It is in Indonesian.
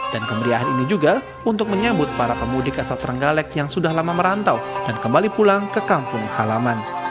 dan kemeriahan ini juga untuk menyambut para pemudik asal terenggalek yang sudah lama merantau dan kembali pulang ke kampung halaman